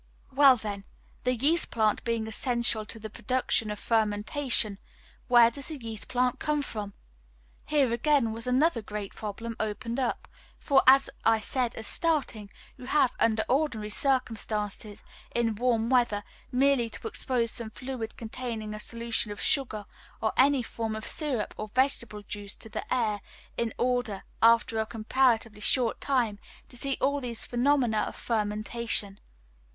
Well, then, the yeast plant being essential to the production of fermentation, where does the yeast plant come from? Here, again, was another great problem opened up, for, as I said at starting, you have, under ordinary circumstances in warm weather, merely to expose some fluid containing a solution of sugar, or any form of syrup or vegetable juice to the air, in order, after a comparatively short time, to see all these phenomena of fermentation.